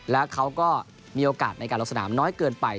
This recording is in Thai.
แล้วเขาก็มีโอกาสในการลงสนามน้อยเกินไป